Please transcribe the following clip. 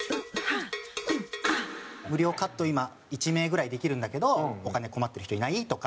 「無料カット今１名ぐらいできるんだけどお金困ってる人いない？」とか。